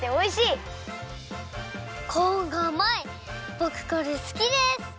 ぼくこれすきです！